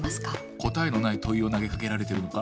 答えのない問いを投げかけられてるのか？